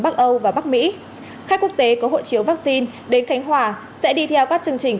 bắc âu và bắc mỹ khách quốc tế có hộ chiếu vaccine đến khánh hòa sẽ đi theo các chương trình